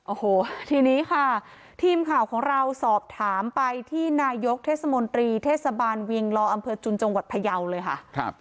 โอ้โหทีนี้ค่ะทีมข่าวของเราสอบถามไปที่นายกเทศมนตรีเทศบาลเวียงลออำเภอจุนจังหวัดพยาวเลยค่ะ